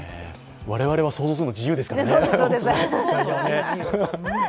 我々は想像するのは自由ですからね。